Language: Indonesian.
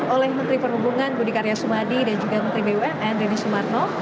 oleh menteri perhubungan budi karya sumadi dan juga menteri bumn rini sumarno